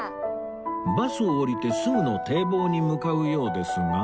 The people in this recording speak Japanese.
バスを降りてすぐの堤防に向かうようですが